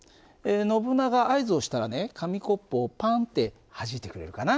ノブナガ合図をしたらね紙コップをパンってはじいてくれるかな？